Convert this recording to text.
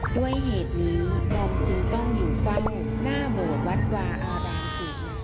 ด้วยเหตุนี้บอมจริงต้องอยู่ฟังหน้าบนวัดวาอาดาลสิทธิ์